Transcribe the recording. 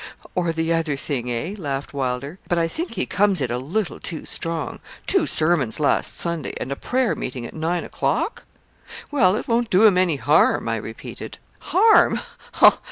'Or the other thing, eh?' laughed Wylder. 'But I think he comes it a little too strong two sermons last Sunday, and a prayer meeting at nine o'clock?' 'Well, it won't do him any harm,' I repeated. 'Harm!